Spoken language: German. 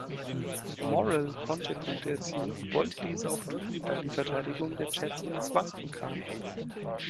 Morrall konnte Punkte erzielen und wollte dies auch tun, da die Verteidigung der Jets ins Wanken kam.